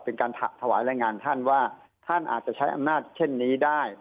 เป็นการถวายรายงานท่านว่าท่านอาจจะใช้อำนาจเช่นนี้ได้